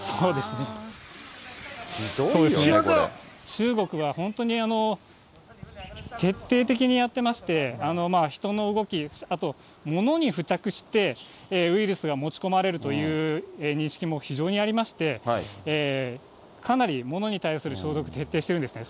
中国は本当に徹底的にやってまして、人の動き、あと物に付着して、ウイルスが持ち込まれるという認識も非常にありまして、かなり物に対する消毒、徹底しているんですね。